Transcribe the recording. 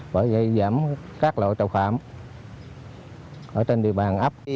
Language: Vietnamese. bởi gây giảm các loại tội phạm ở trên địa bàn ấp